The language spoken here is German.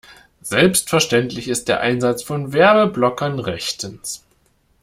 Selbstverständlich ist der Einsatz von Werbeblockern rechtens.